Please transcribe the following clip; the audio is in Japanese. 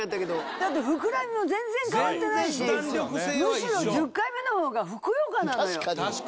だって膨らみも全然変わってないしむしろ１０回目のほうがふくよかなのよ。